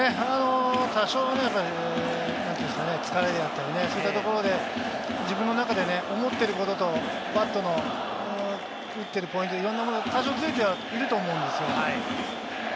多少疲れであったり、そういったところで自分の中で思っていることと、バットの打っているポイント、多少ズレてはいると思うんですよ。